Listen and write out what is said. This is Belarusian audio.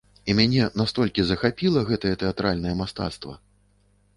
І мяне настолькі захапіла гэтае тэатральнае мастацтва!